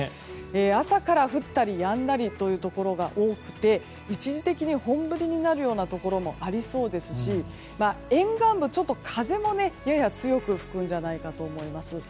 朝から降ったりやんだりというところが多くて一時的に本降りになるようなところもありそうですし沿岸部はちょっと風もやや強く吹くんじゃないかと思います。